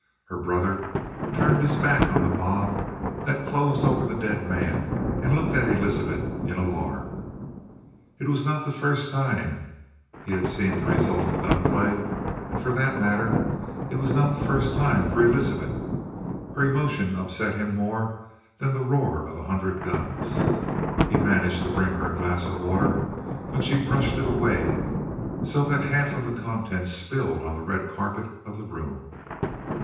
Her brother turned his back on the mob that closed over the dead man and looked at Elizabeth in alarm. It was not the first time he had seen the result of a gunplay, and for that matter it was not the first time for Elizabeth. Her emotion upset him more than the roar of a hundred guns. He managed to bring her a glass of water, but she brushed it away so that half of the contents spilled on the red carpet of the room.